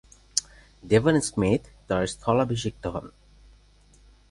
Devon Smith তার স্থলাভিষিক্ত হন।